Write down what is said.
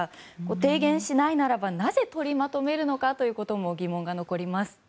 提言しないならば、なぜ取りまとめるのかということも疑問が残ります。